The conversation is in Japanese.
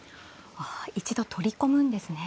あ一度取り込むんですね。